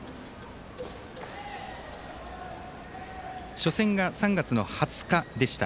初戦が、３月の２０日でした。